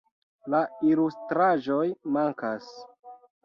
La ilustraĵoj mankas.